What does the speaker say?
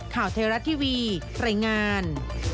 ข่าวเทวรัฐทีวีไตรงาน